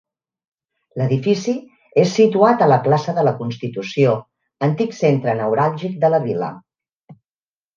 L'edifici és situat a la plaça de la constitució, antic centre neuràlgic de la vila.